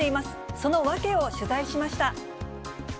その訳を取材しました。